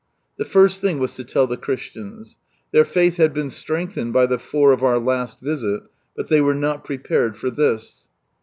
The first thing was to tell the Christians. Their faith had been strengthened by the four of our last visit, but they were not prepared for this.